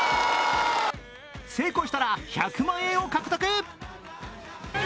成功したら１００万円を獲得。